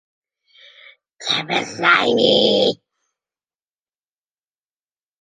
‘’To be slimy.’’